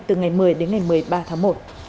từ ngày một mươi đến ngày một mươi ba tháng một